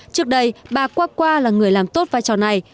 trước đây bà qua là người làm tốt vai trò này